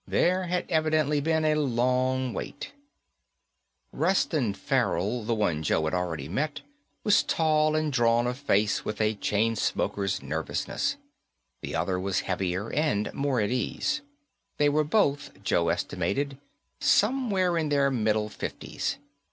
There had evidently been a long wait. Reston Farrell, the one Joe had already met, was tall and drawn of face and with a chainsmoker's nervousness. The other was heavier and more at ease. They were both, Joe estimated, somewhere in their middle fifties.